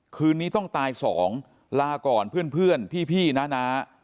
คืนนี้ต้องตายสองลาก่อนเพื่อนพี่นะ